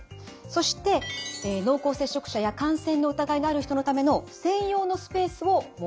そして濃厚接触者や感染の疑いのある人のための専用のスペースを設ける。